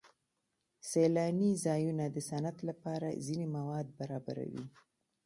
سیلاني ځایونه د صنعت لپاره ځینې مواد برابروي.